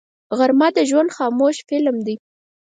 غرمه د ژوند خاموش فلم دی